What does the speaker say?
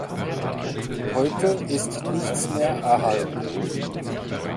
Heute ist nichts mehr erhalten.